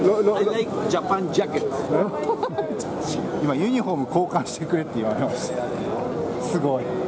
ユニホーム、交換してくれと言われました。